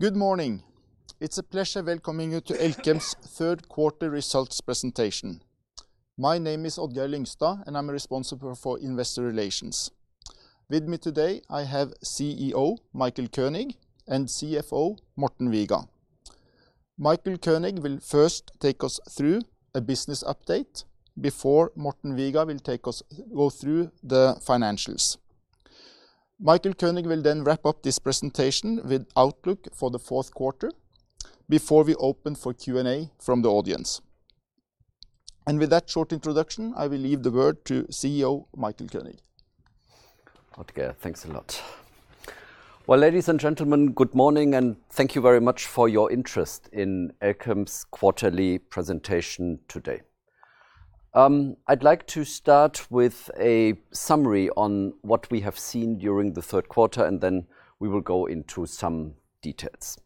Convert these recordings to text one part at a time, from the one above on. Good morning. It's a pleasure welcoming you to Elkem's third quarter results presentation. My name is Odd-Geir Lyngstad, and I'm responsible for investor relations. With me today I have CEO Michael Koenig and CFO Morten Viga. Michael Koenig will first take us through a business update before Morten Viga will go through the financials. Michael Koenig will wrap up this presentation with outlook for the fourth quarter before we open for Q&A from the audience. With that short introduction, I will leave the word to CEO Michael Koenig. Odd-Geir, thanks a lot. Well, ladies and gentlemen, good morning, and thank you very much for your interest in Elkem's quarterly presentation today. I'd like to start with a summary on what we have seen during the third quarter, and then we will go into some details.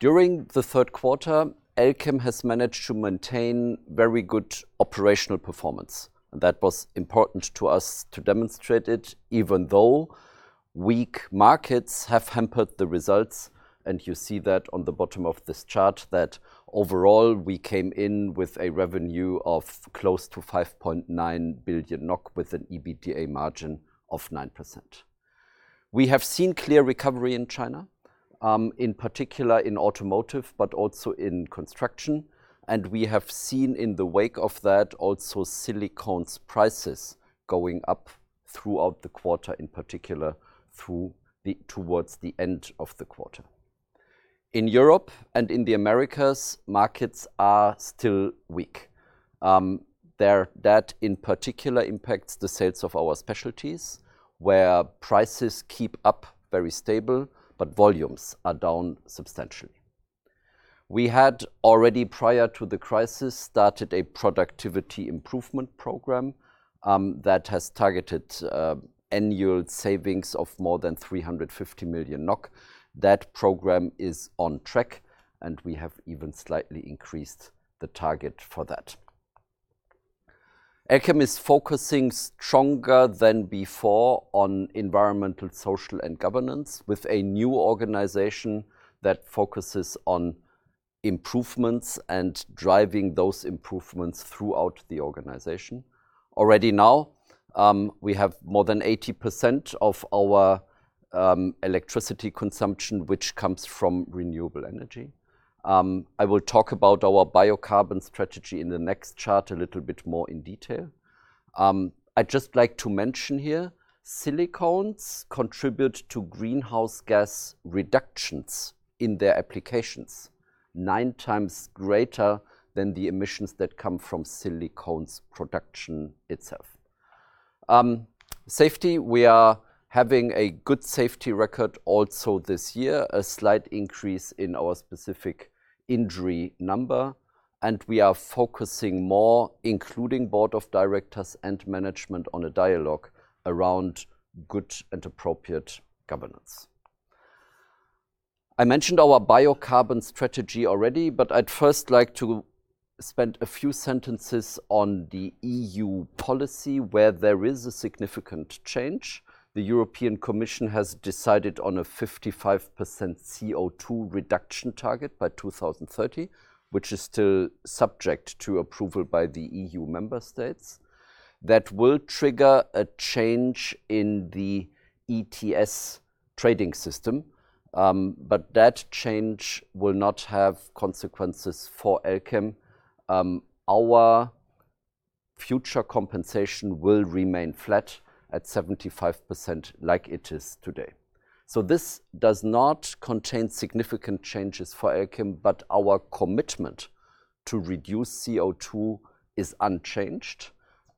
During the third quarter, Elkem has managed to maintain very good operational performance. That was important to us to demonstrate it, even though weak markets have hampered the results. You see that on the bottom of this chart, that overall, we came in with a revenue of close to 5.9 billion NOK with an EBITDA margin of 9%. We have seen clear recovery in China, in particular in automotive, but also in construction. We have seen in the wake of that also Silicones prices going up throughout the quarter, in particular towards the end of the quarter. In Europe and in the Americas, markets are still weak. That in particular impacts the sales of our specialties, where prices keep up very stable, but volumes are down substantially. We had already, prior to the crisis, started a productivity improvement program that has targeted annual savings of more than 350 million NOK. That program is on track, and we have even slightly increased the target for that. Elkem is focusing stronger than before on environmental, social, and governance, with a new organization that focuses on improvements and driving those improvements throughout the organization. Already now, we have more than 80% of our electricity consumption, which comes from renewable energy. I will talk about our biocarbon strategy in the next chart a little bit more in detail. I'd just like to mention here, silicones contribute to greenhouse gas reductions in their applications nine times greater than the emissions that come from silicones production itself. Safety. We are having a good safety record also this year, a slight increase in our specific injury number, and we are focusing more, including board of directors and management, on a dialogue around good and appropriate governance. I mentioned our biocarbon strategy already, but I'd first like to spend a few sentences on the EU policy, where there is a significant change. The European Commission has decided on a 55% CO2 reduction target by 2030, which is still subject to approval by the EU member states. That will trigger a change in the ETS trading system. That change will not have consequences for Elkem. Our future compensation will remain flat at 75% like it is today. This does not contain significant changes for Elkem, but our commitment to reduce CO2 is unchanged,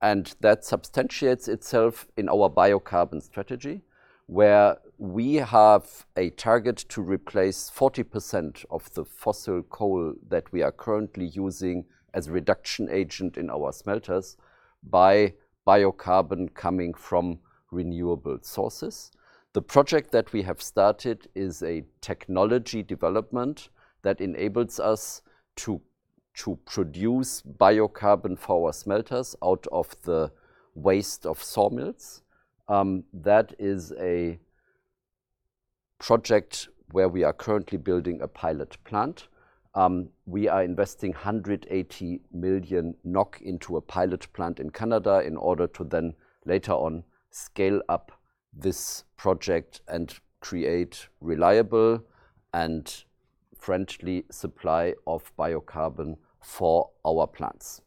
and that substantiates itself in our biocarbon strategy, where we have a target to replace 40% of the fossil coal that we are currently using as a reduction agent in our smelters by biocarbon coming from renewable sources. The project that we have started is a technology development that enables us to produce biocarbon for our smelters out of the waste of sawmills. That is a project where we are currently building a pilot plant. We are investing 180 million NOK into a pilot plant in Canada in order to then later on scale up this project and create reliable and friendly supply of biocarbon for our plants.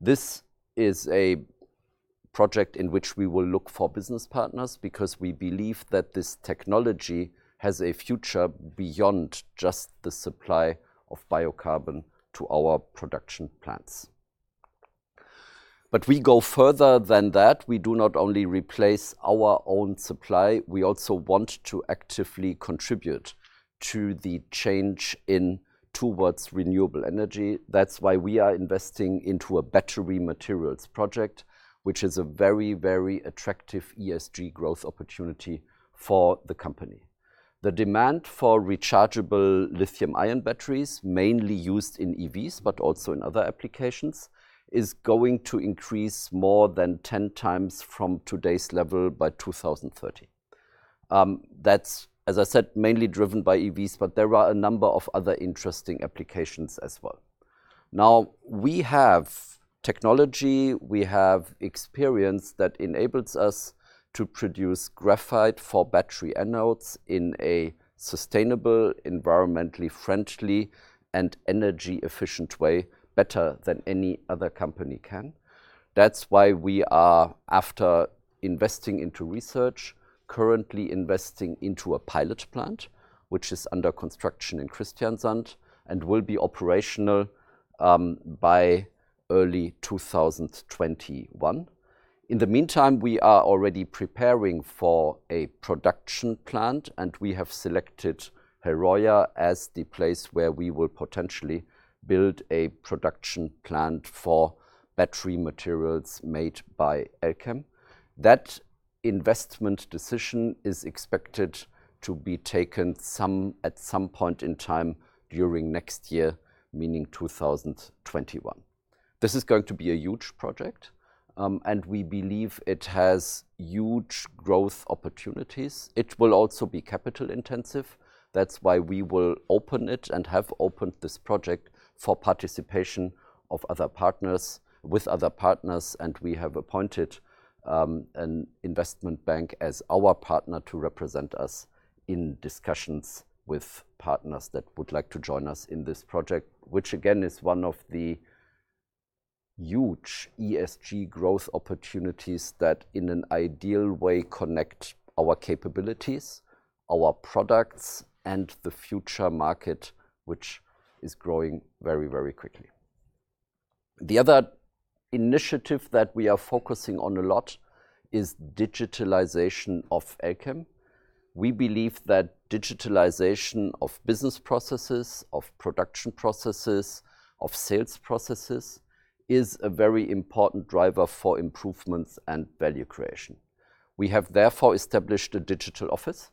This is a project in which we will look for business partners because we believe that this technology has a future beyond just the supply of biocarbon to our production plants. We go further than that. We do not only replace our own supply, we also want to actively contribute to the change towards renewable energy. That's why we are investing into a battery materials project, which is a very attractive ESG growth opportunity for the company. The demand for rechargeable lithium-ion batteries, mainly used in EVs, but also in other applications, is going to increase more than 10 times from today's level by 2030. That's, as I said, mainly driven by EVs, but there are a number of other interesting applications as well. Now we have technology, we have experience that enables us to produce graphite for battery anodes in a sustainable, environmentally friendly and energy efficient way better than any one other company can. That's why we are, after investing into research, currently investing into a pilot plant, which is under construction in Kristiansand and will be operational by early 2021. In the meantime, we are already preparing for a production plant, and we have selected Herøya as the place where we will potentially build a production plant for battery materials made by Elkem. That investment decision is expected to be taken at some point in time during next year, meaning 2021. This is going to be a huge project, and we believe it has huge growth opportunities. It will also be capital intensive. That's why we will open it and have opened this project for participation with other partners, and we have appointed an investment bank as our partner to represent us in discussions with partners that would like to join us in this project. Which again, is one of the huge ESG growth opportunities that in an ideal way connect our capabilities, our products, and the future market, which is growing very, very quickly. The other initiative that we are focusing on a lot is digitalization of Elkem. We believe that digitalization of business processes, of production processes, of sales processes is a very important driver for improvements and value creation. We have therefore established a digital office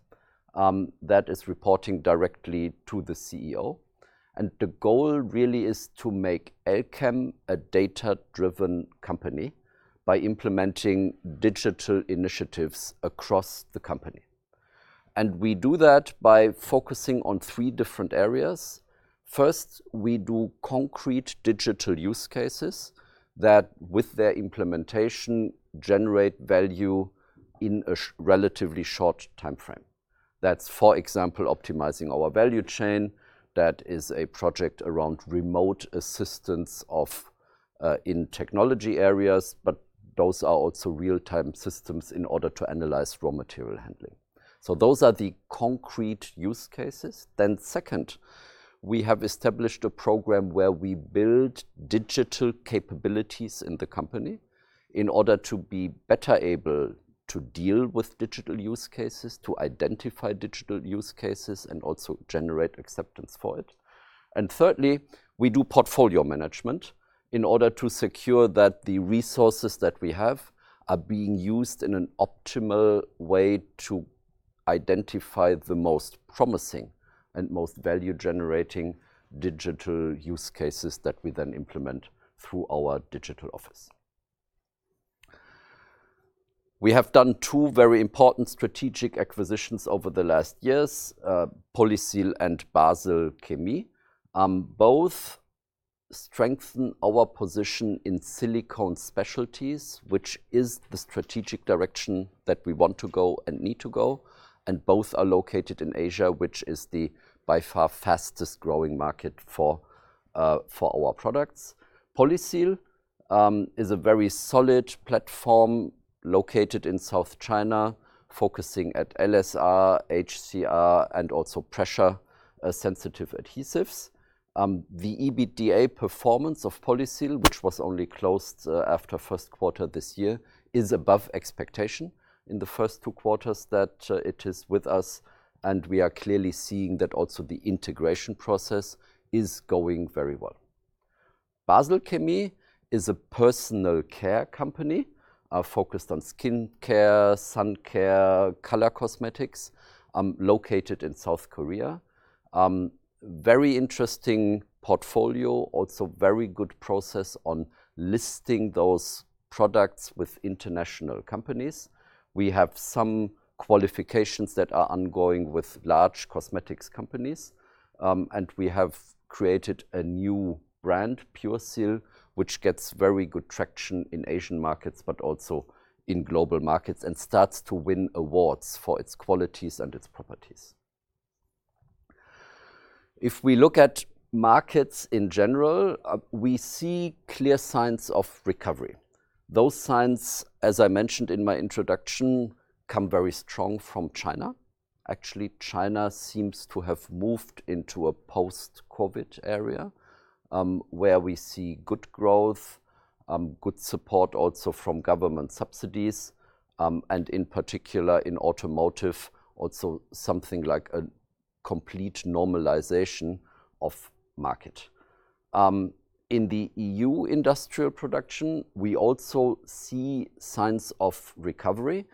that is reporting directly to the CEO. The goal really is to make Elkem a data-driven company by implementing digital initiatives across the company. We do that by focusing on three different areas. First, we do concrete digital use cases that, with their implementation, generate value in a relatively short timeframe. That's, for example, optimizing our value chain. That is a project around remote assistance in technology areas, but those are also real-time systems in order to analyze raw material handling. Those are the concrete use cases. Second, we have established a program where we build digital capabilities in the company in order to be better able to deal with digital use cases, to identify digital use cases, and also generate acceptance for it. Thirdly, we do portfolio management in order to secure that the resources that we have are being used in an optimal way to identify the most promising and most value-generating digital use cases that we then implement through our digital office. We have done two very important strategic acquisitions over the last years, Polysil and Basel Chemie. Both strengthen our position in silicone specialties, which is the strategic direction that we want to go and need to go, and both are located in Asia, which is the by far fastest growing market for our products. Polysil is a very solid platform located in South China, focusing at LSR, HCR, and also pressure sensitive adhesives. The EBITDA performance of Polysil, which was only closed after first quarter this year, is above expectation in the first two quarters that it is with us, and we are clearly seeing that also the integration process is going very well. Basel Chemie is a personal care company, focused on skin care, sun care, color cosmetics, located in South Korea. Very interesting portfolio, also very good process on listing those products with international companies. We have some qualifications that are ongoing with large cosmetics companies, and we have created a new brand, PURESIL™, which gets very good traction in Asian markets, but also in global markets, and starts to win awards for its qualities and its properties. If we look at markets in general, we see clear signs of recovery. Those signs, as I mentioned in my introduction, come very strong from China. Actually, China seems to have moved into a post-COVID area, where we see good growth, good support also from government subsidies, and in particular in automotive, also something like a complete normalization of market. In the EU industrial production, we also see signs of recovery.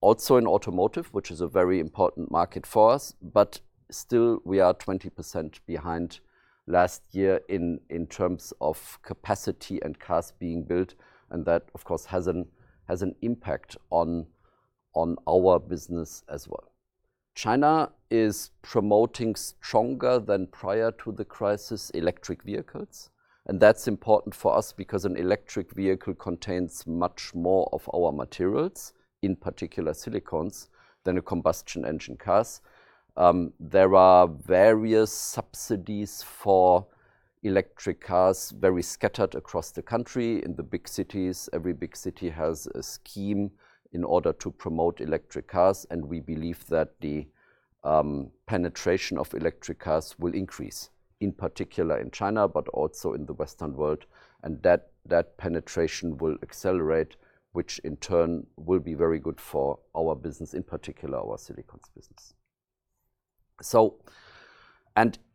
Also in automotive, which is a very important market for us. Still we are 20% behind last year in terms of capacity and cars being built, and that, of course, has an impact on our business as well. China is promoting stronger than prior to the crisis electric vehicles, and that is important for us because an electric vehicle contains much more of our materials, in particular silicones, than a combustion engine cars. There are various subsidies for electric cars very scattered across the country. In the big cities, every big city has a scheme in order to promote electric cars, and we believe that the penetration of electric cars will increase, in particular in China, but also in the Western World, and that penetration will accelerate, which in turn will be very good for our business, in particular our Silicones business.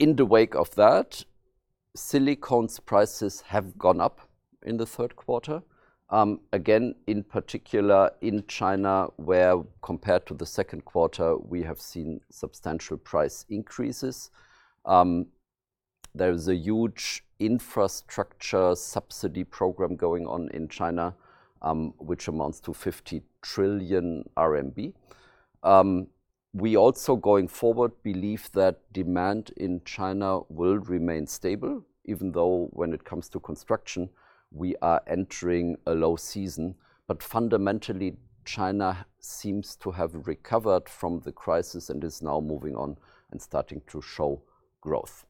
In the wake of that, silicones prices have gone up in the third quarter. Again, in particular in China, where compared to the second quarter, we have seen substantial price increases. There is a huge infrastructure subsidy program going on in China, which amounts to 50 trillion RMB. We also, going forward, believe that demand in China will remain stable, even though when it comes to construction, we are entering a low season. Fundamentally, China seems to have recovered from the crisis and is now moving on and starting to show growth.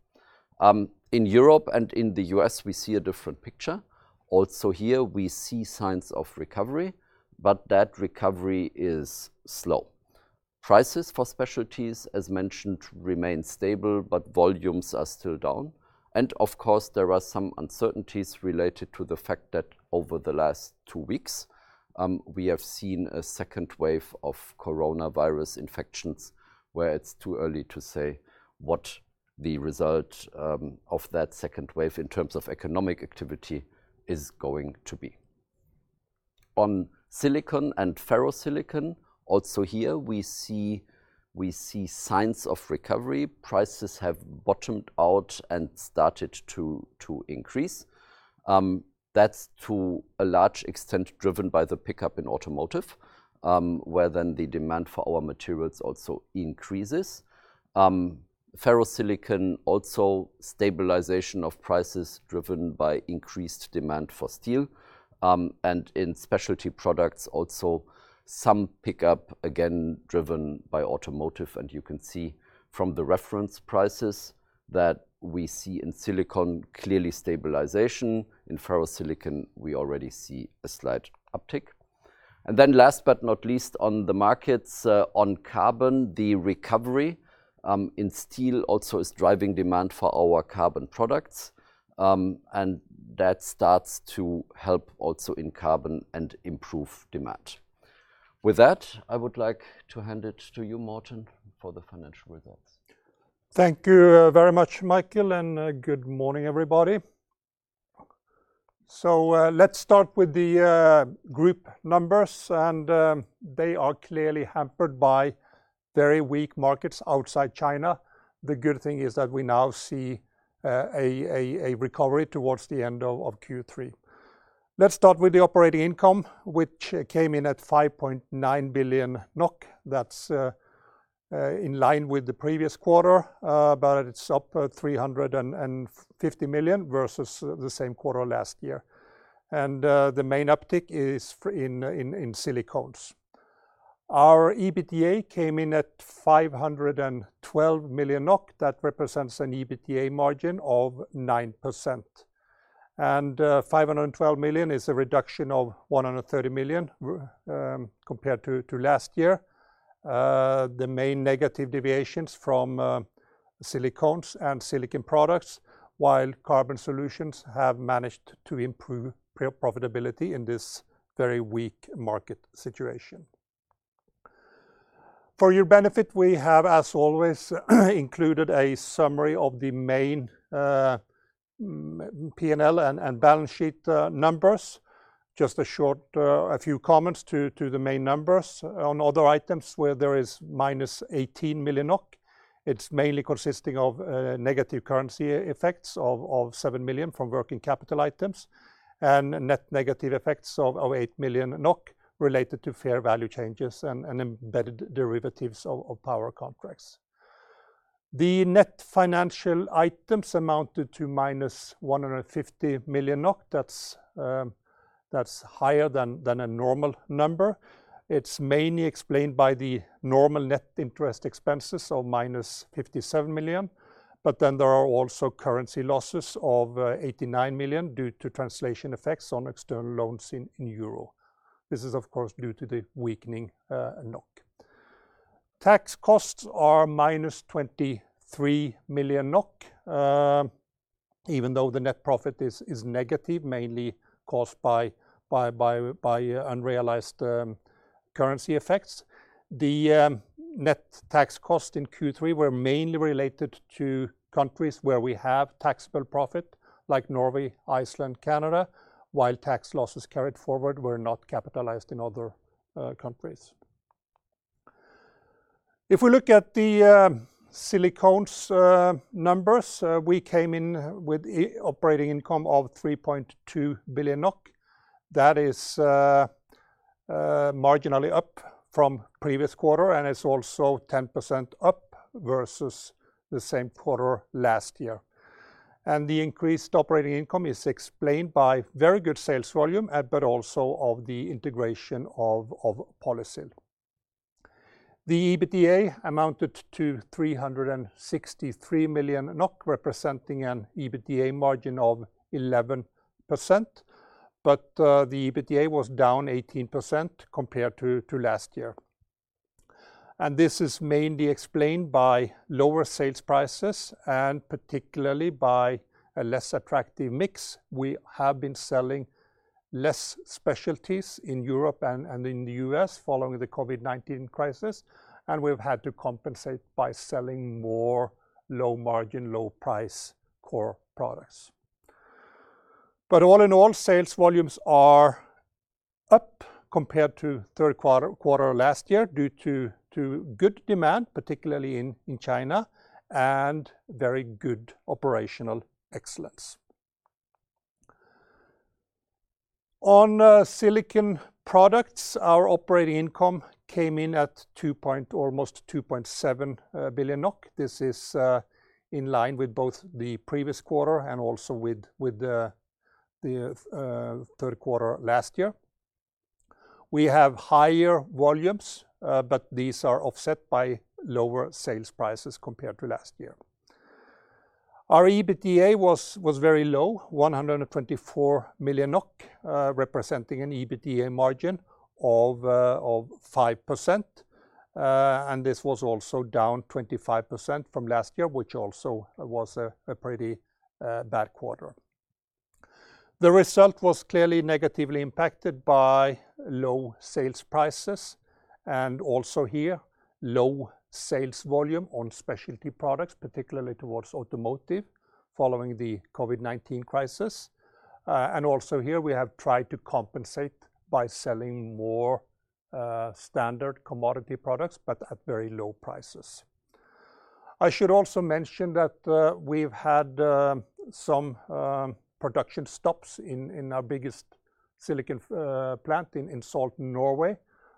In Europe and in the U.S., we see a different picture. Also here we see signs of recovery, but that recovery is slow. Prices for specialties, as mentioned, remain stable, but volumes are still down. Of course, there are some uncertainties related to the fact that over the last two weeks, we have seen a second wave of coronavirus infections, where it's too early to say what the result of that second wave in terms of economic activity is going to be. On silicon and ferrosilicon, also here we see signs of recovery. Prices have bottomed out and started to increase. That's to a large extent driven by the pickup in automotive, where then the demand for our materials also increases. Ferrosilicon also stabilization of prices driven by increased demand for steel, and in specialty products, also some pickup again driven by automotive. You can see from the reference prices that we see in silicon, clearly stabilization. In ferrosilicon, we already see a slight uptick. Last but not least, on the markets, on carbon, the recovery in steel also is driving demand for our carbon products. That starts to help also in carbon and improve demand. With that, I would like to hand it to you, Morten, for the financial results. Thank you very much, Michael. Good morning, everybody. Let's start with the group numbers, and they are clearly hampered by very weak markets outside China. The good thing is that we now see a recovery towards the end of Q3. Let's start with the operating income, which came in at 5.9 billion NOK. That's in line with the previous quarter, but it's up 350 million versus the same quarter last year. The main uptick is in Silicones. Our EBITDA came in at 512 million NOK. That represents an EBITDA margin of 9%. 512 million is a reduction of 130 million compared to last year. The main negative deviations from Silicones and Silicon Products, while Carbon Solutions have managed to improve profitability in this very weak market situation. For your benefit, we have, as always, included a summary of the main P&L and balance sheet numbers. Just a few comments to the main numbers. On other items where there is minus 18 million NOK, it's mainly consisting of negative currency effects of 7 million from working capital items and net negative effects of 8 million NOK related to fair value changes and embedded derivatives of power contracts. The net financial items amounted to minus 150 million. That's higher than a normal number. It's mainly explained by the normal net interest expenses of minus 57 million. There are also currency losses of 89 million due to translation effects on external loans in euro. This is, of course, due to the weakening NOK. Tax costs are minus 23 million NOK, even though the net profit is negative, mainly caused by unrealized currency effects. The net tax cost in Q3 were mainly related to countries where we have taxable profit, like Norway, Iceland, Canada, while tax losses carried forward were not capitalized in other countries. If we look at the Silicones numbers, we came in with operating income of 3.2 billion NOK. That is marginally up from previous quarter, and it's also 10% up versus the same quarter last year. The increased operating income is explained by very good sales volume, but also of the integration of Polysil. The EBITDA amounted to 363 million NOK, representing an EBITDA margin of 11%, but the EBITDA was down 18% compared to last year. This is mainly explained by lower sales prices, and particularly by a less attractive mix. We have been selling less specialties in Europe and in the U.S. following the COVID-19 crisis, and we've had to compensate by selling more low-margin, low-price core products. All in all, sales volumes are up compared to third quarter last year due to good demand, particularly in China, and very good operational excellence. On Silicon Products, our operating income came in at almost 2.7 billion NOK. This is in line with both the previous quarter and also with the third quarter last year. We have higher volumes, but these are offset by lower sales prices compared to last year. Our EBITDA was very low, 124 million NOK, representing an EBITDA margin of 5%, and this was also down 25% from last year, which also was a pretty bad quarter. The result was clearly negatively impacted by low sales prices and also here, low sales volume on specialty products, particularly towards automotive following the COVID-19 crisis. Also here, we have tried to compensate by selling more standard commodity products, but at very low prices. I should also mention that we've had some production stops in our biggest silicon plant in Salten, Norway.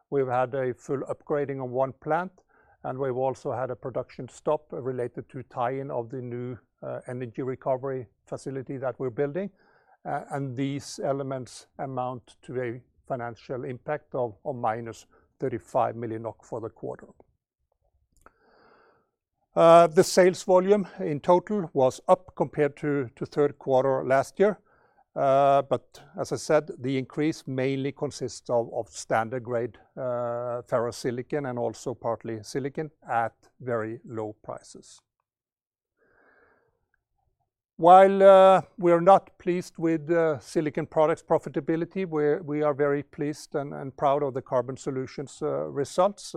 We've had a full upgrading of one plant, and we've also had a production stop related to tie-in of the new energy recovery facility that we're building, and these elements amount to a financial impact of minus 35 million NOK for the quarter. The sales volume in total was up compared to third quarter last year, but as I said, the increase mainly consists of standard grade ferrosilicon and also partly silicon at very low prices. While we are not pleased with Silicon Products' profitability, we are very pleased and proud of the Carbon Solutions results.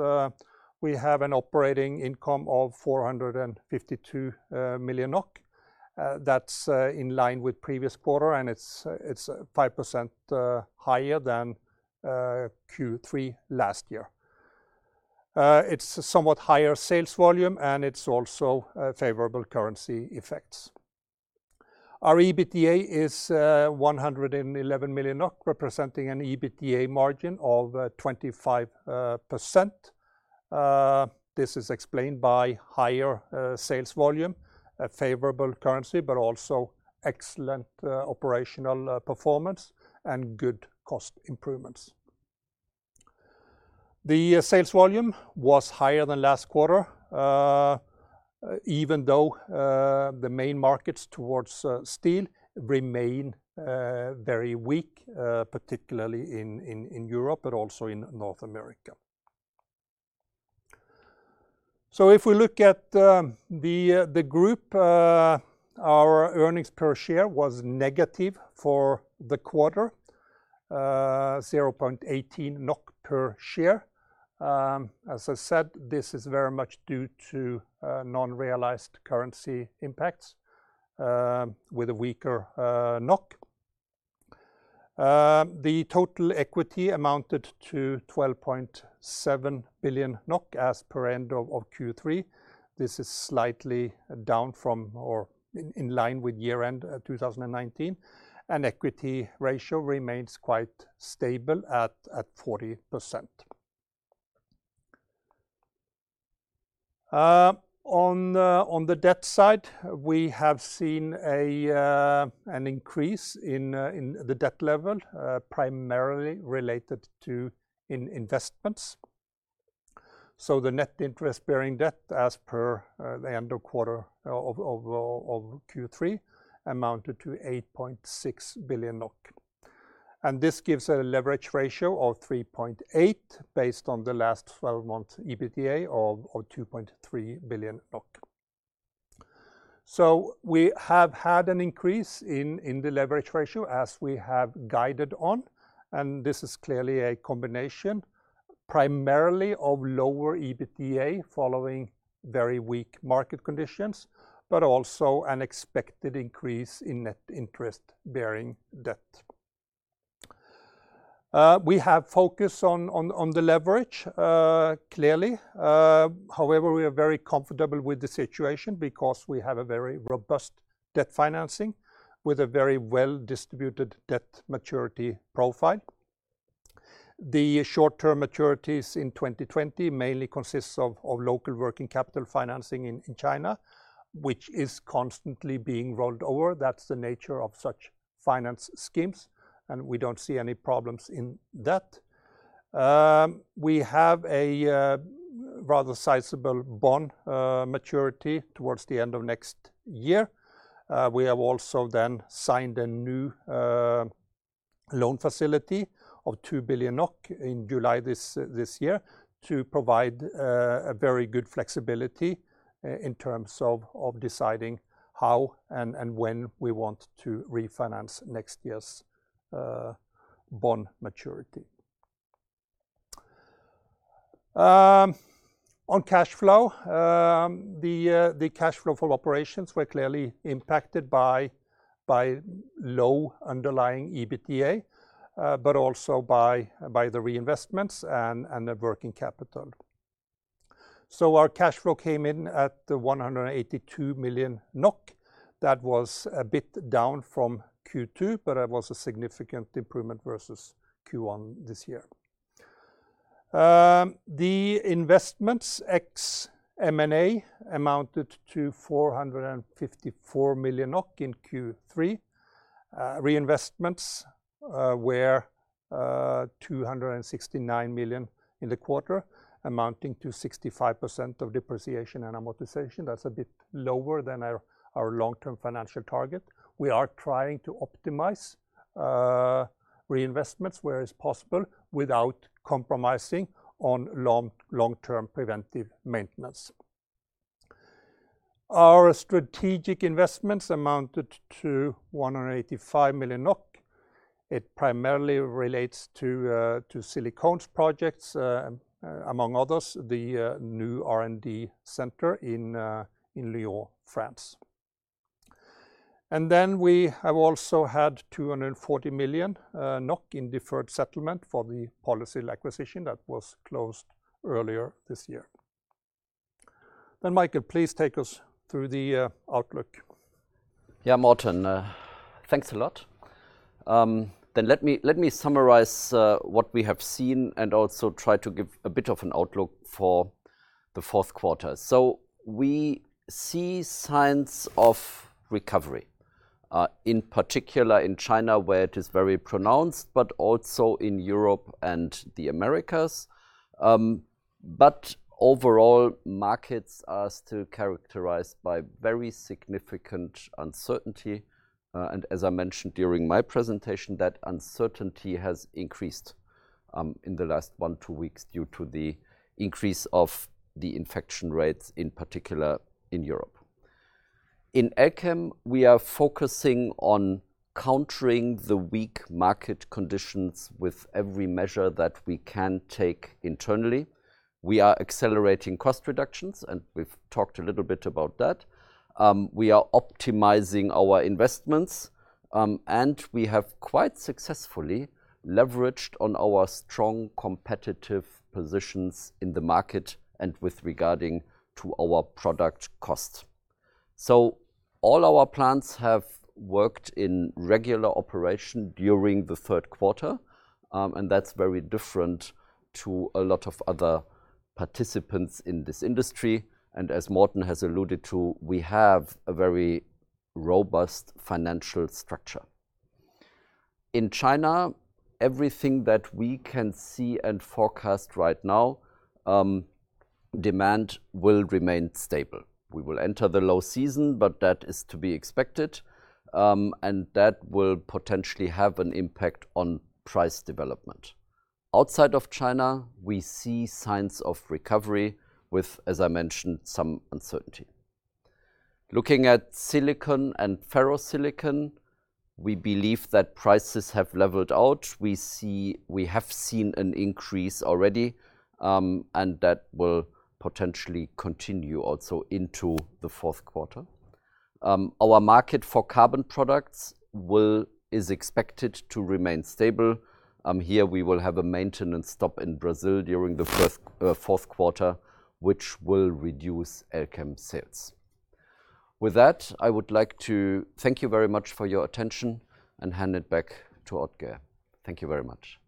We have an operating income of 452 million NOK. It's 5% higher than Q3 last year. It's also favorable currency effects. Our EBITDA is 111 million NOK, representing an EBITDA margin of 25%. This is explained by higher sales volume, a favorable currency, also excellent operational performance and good cost improvements. The sales volume was higher than last quarter, even though the main markets towards steel remain very weak, particularly in Europe, but also in North America. If we look at the group, our earnings per share was negative for the quarter, 0.18 NOK per share. As I said, this is very much due to non-realized currency impacts with a weaker NOK. The total equity amounted to 12.7 billion NOK as per end of Q3. This is slightly down from or in line with year-end 2019, and equity ratio remains quite stable at 40%. On the debt side, we have seen an increase in the debt level, primarily related to investments. The net interest-bearing debt as per the end of Q3 amounted to 8.6 billion NOK, and this gives a leverage ratio of 3.8 based on the last 12 months EBITDA of 2.3 billion NOK. We have had an increase in the leverage ratio as we have guided on, and this is clearly a combination primarily of lower EBITDA following very weak market conditions, but also an expected increase in net interest-bearing debt. We have focus on the leverage, clearly. We are very comfortable with the situation because we have a very robust debt financing with a very well-distributed debt maturity profile. The short-term maturities in 2020 mainly consists of local working capital financing in China, which is constantly being rolled over. That's the nature of such finance schemes, and we don't see any problems in that. We have a rather sizable bond maturity towards the end of next year. We have also then signed a new loan facility of 2 billion NOK in July this year to provide a very good flexibility in terms of deciding how and when we want to refinance next year's bond maturity. On cash flow, the cash flow for operations were clearly impacted by low underlying EBITDA, but also by the reinvestments and the working capital. Our cash flow came in at 182 million NOK. That was a bit down from Q2, but that was a significant improvement versus Q1 this year. The investments ex M&A amounted to 454 million in Q3. Reinvestments were 269 million in the quarter, amounting to 65% of depreciation and amortization. That's a bit lower than our long-term financial target. We are trying to optimize reinvestments where is possible without compromising on long-term preventive maintenance. Our strategic investments amounted to 185 million NOK. It primarily relates to Silicones projects, among others, the new R&D center in Lyon, France. We have also had 240 million NOK in deferred settlement for the Polysil acquisition that was closed earlier this year. Michael, please take us through the outlook. Yeah, Morten, thanks a lot. Let me summarize what we have seen and also try to give a bit of an outlook for the fourth quarter. We see signs of recovery, in particular in China, where it is very pronounced, but also in Europe and the Americas. Overall, markets are still characterized by very significant uncertainty. As I mentioned during my presentation, that uncertainty has increased in the last one, two weeks due to the increase of the infection rates, in particular in Europe. In Elkem, we are focusing on countering the weak market conditions with every measure that we can take internally. We are accelerating cost reductions, and we've talked a little bit about that. We are optimizing our investments, and we have quite successfully leveraged on our strong competitive positions in the market and with regarding to our product costs. All our plants have worked in regular operation during the third quarter, and that's very different to a lot of other participants in this industry. As Morten has alluded to, we have a very robust financial structure. In China, everything that we can see and forecast right now, demand will remain stable. We will enter the low season, but that is to be expected, and that will potentially have an impact on price development. Outside of China, we see signs of recovery with, as I mentioned, some uncertainty. Looking at silicon and ferrosilicon, we believe that prices have leveled out. We have seen an increase already, and that will potentially continue also into the fourth quarter. Our market for carbon products is expected to remain stable. Here we will have a maintenance stop in Brazil during the fourth quarter, which will reduce Elkem sales. With that, I would like to thank you very much for your attention and hand it back to Odd-geir. Thank you very much.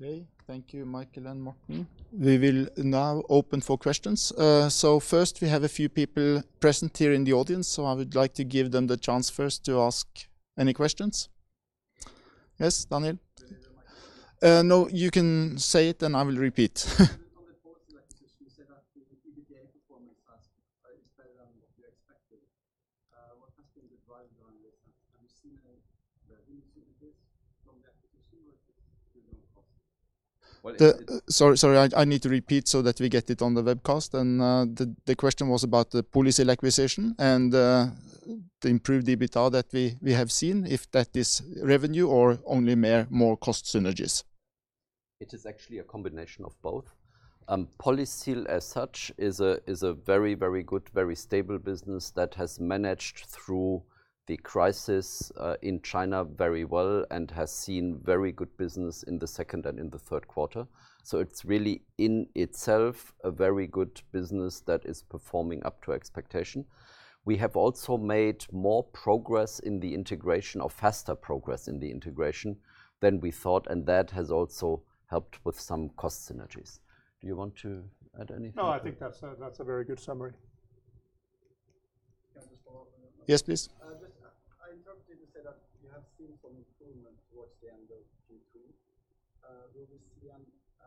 Okay. Thank you, Michael and Morten. We will now open for questions. First, we have a few people present here in the audience, so I would like to give them the chance first to ask any questions. Yes, Daniel? Do you need the mic? No, you can say it, then I will repeat. On the Polysil acquisition, you said that the EBITDA performance is better than what you expected. What has been the driver behind this? Have you seen any revenue synergies from the acquisition, or is this pure cost? Sorry, I need to repeat so that we get it on the webcast. The question was about the Polysil acquisition and the improved EBITDA that we have seen, if that is revenue or only more cost synergies. It is actually a combination of both. Polysil as such is a very good, very stable business that has managed through the crisis in China very well and has seen very good business in the second and in the third quarter. It's really in itself a very good business that is performing up to expectation. We have also made more progress in the integration, or faster progress in the integration than we thought, and that has also helped with some cost synergies. Do you want to add anything? No, I think that's a very good summary. Can I just follow up on that? Yes, please. Just, I interpreted you to say that you have seen some improvement towards the end of Q3. Will we see an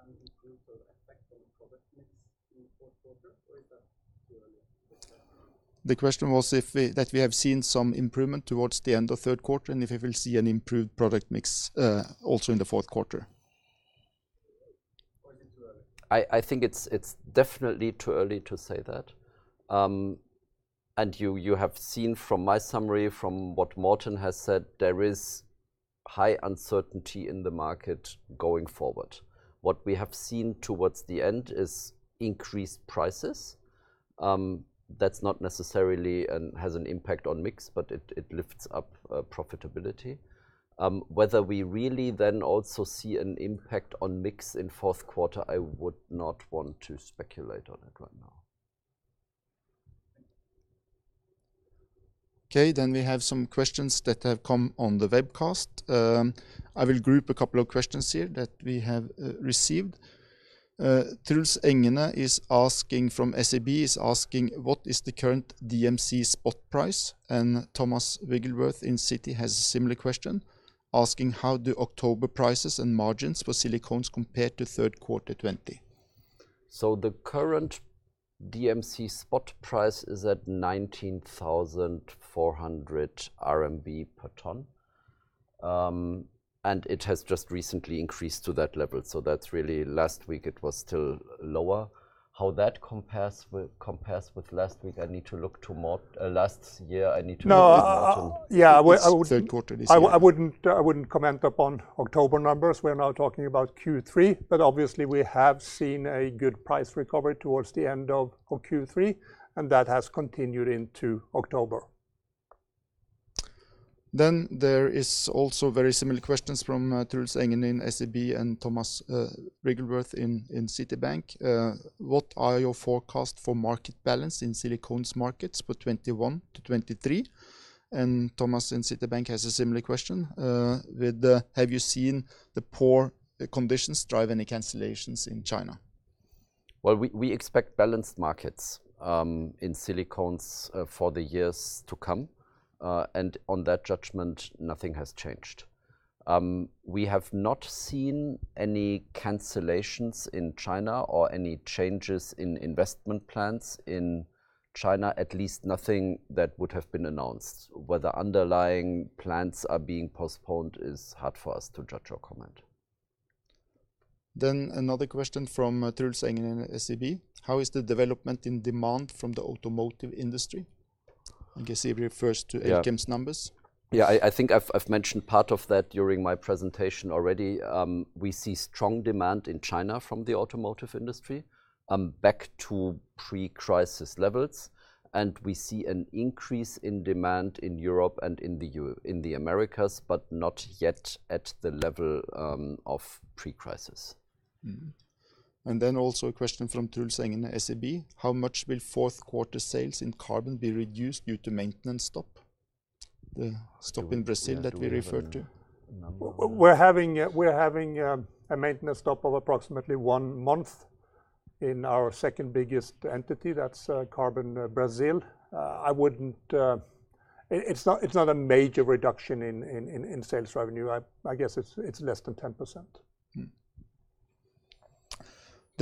improved effect on product mix in the fourth quarter, or is that too early? The question was that we have seen some improvement towards the end of third quarter, and if we will see an improved product mix, also in the fourth quarter. Way too early. I think it's definitely too early to say that. You have seen from my summary, from what Morten has said, there is high uncertainty in the market going forward. What we have seen towards the end is increased prices. That not necessarily has an impact on mix, but it lifts up profitability. Whether we really then also see an impact on mix in fourth quarter, I would not want to speculate on it right now. We have some questions that have come on the webcast. I will group a couple of questions here that we have received. Truls Engene from SEB is asking, "What is the current DMC spot price?" Thomas Wigglesworth in Citi has a similar question, asking, "How do October prices and margins for Silicones compare to third quarter 2020? The current DMC spot price is at 19,400 RMB per ton. It has just recently increased to that level, so that's really last week it was still lower. How that compares with last year, I need to look with Morten. No. The third quarter this year. I wouldn't comment upon October numbers. We're now talking about Q3, but obviously we have seen a good price recovery towards the end of Q3, and that has continued into October. There is also very similar questions from Truls Engene in SEB and Thomas Wigglesworth in Citi. "What are your forecast for market balance in silicones markets for 2021 to 2023?" Thomas in Citi has a similar question with, "Have you seen the poor conditions drive any cancellations in China? We expect balanced markets, in Silicones, for the years to come. On that judgment, nothing has changed. We have not seen any cancellations in China or any changes in investment plans in China, at least nothing that would have been announced. Whether underlying plans are being postponed is hard for us to judge or comment. Another question from Truls Engene in SEB. "How is the development in demand from the automotive industry?" I guess he refers to. Yeah Elkem's numbers. Yeah, I think I've mentioned part of that during my presentation already. We see strong demand in China from the automotive industry, back to pre-crisis levels. We see an increase in demand in Europe and in the Americas, but not yet at the level of pre-crisis. Mm-hmm. Also a question from Truls Engene, SEB. "How much will fourth quarter sales in Carbon be reduced due to maintenance stop?" The stop in Brazil that we referred to. Do we have a number on that? We're having a maintenance stop of approximately one month in our second-biggest entity. That's Carbon Brazil. It's not a major reduction in sales revenue. I guess it's less than 10%.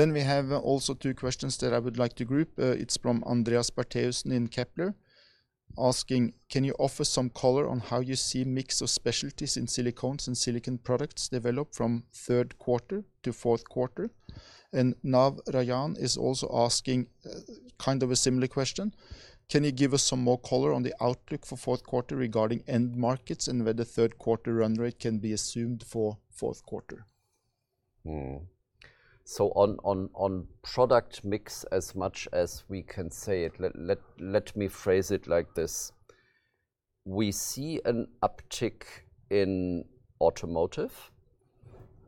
Mm-hmm. We have also two questions that I would like to group. It's from Andreas Barthes in Kepler asking, "Can you offer some color on how you see mix of specialties in Silicones and Silicon Products develop from third quarter to fourth quarter?" Nav Rajan is also asking kind of a similar question, "Can you give us some more color on the outlook for fourth quarter regarding end markets and whether third quarter run rate can be assumed for fourth quarter? Hmm. On product mix, as much as we can say it, let me phrase it like this. We see an uptick in automotive,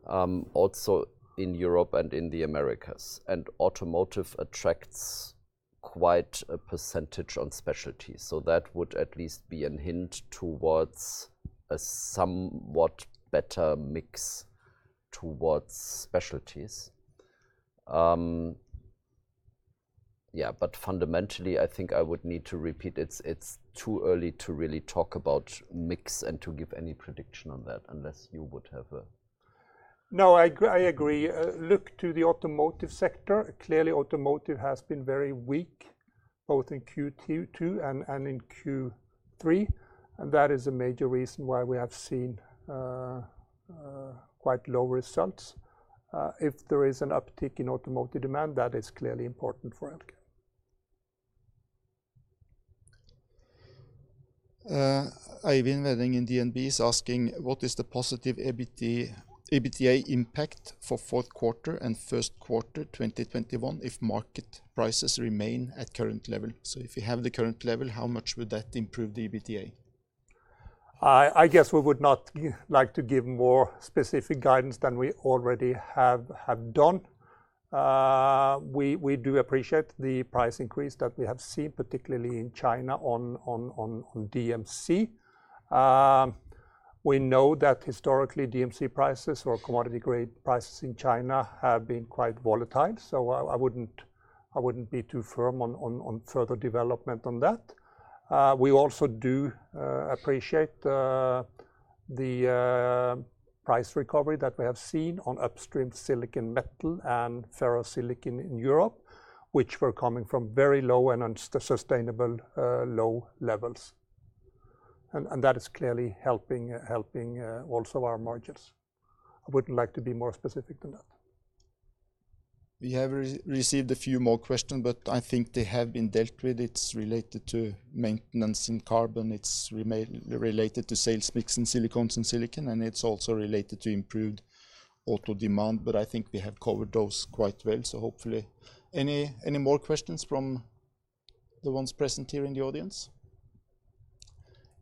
also in Europe and in the Americas. Automotive attracts quite a percentage on specialties, so that would at least be a hint towards a somewhat better mix towards specialties. Fundamentally, I think I would need to repeat, it's too early to really talk about mix and to give any prediction on that, unless you would have a No, I agree. Look to the automotive sector. Automotive has been very weak, both in Q2 and in Q3, and that is a major reason why we have seen quite low results. If there is an uptick in automotive demand, that is clearly important for Elkem. Eivind Veddeng in DNB is asking, "What is the positive EBITDA impact for fourth quarter and first quarter 2021 if market prices remain at current level?" If you have the current level, how much would that improve the EBITDA? I guess we would not like to give more specific guidance than we already have done. We do appreciate the price increase that we have seen, particularly in China on DMC. We know that historically DMC prices or commodity grade prices in China have been quite volatile, so I wouldn't be too firm on further development on that. We also do appreciate the price recovery that we have seen on upstream silicon metal and ferrosilicon in Europe, which were coming from very low and unsustainable low levels. That is clearly helping also our margins. I wouldn't like to be more specific than that. We have received a few more questions, but I think they have been dealt with. It's related to maintenance in Carbon. It's related to sales mix in Silicones and silicon, and it's also related to improved auto demand, but I think we have covered those quite well. Any more questions from the ones present here in the audience?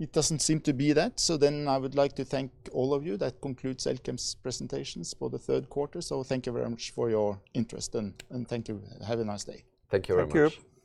It doesn't seem to be that, then I would like to thank all of you. That concludes Elkem's presentations for the third quarter, thank you very much for your interest, and thank you. Have a nice day. Thank you very much. Thank you.